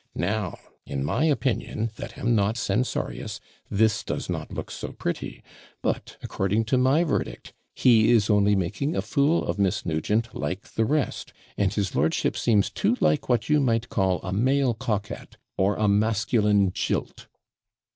Now, in my opinion, that am not censorious, this does not look so pretty; but, according to my verdict, he is only making a fool of Miss Nugent, like the rest; and his lordship seems too like what you might call a male COCKET, or a masculine jilt.'